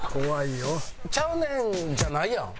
「ちゃうねん」じゃないやん。